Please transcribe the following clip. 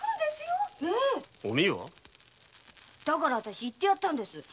だから言ってやったんですよ。